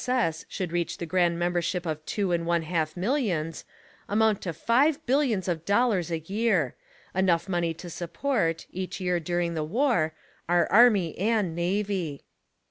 S. S. should reach the grand membership of TWO AND ONE HALF MILLIONS, amount to FIVE BILLIONS OF DOLLARS A YEAR; enough money to support, each year during the war, our ARMY and NAVY.